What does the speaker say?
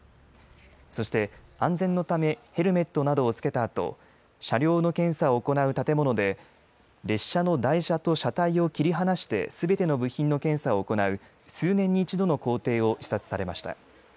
そして安全のためヘルメットなどをつけたあと車両の検査を行う建物で列車の台車と車体を切り離してすべての部品の検査を行う数年に一度の工程を視察されました。